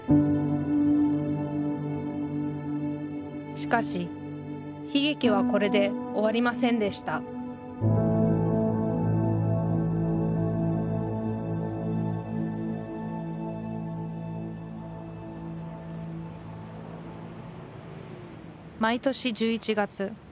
しかし悲劇はこれで終わりませんでした毎年１１月。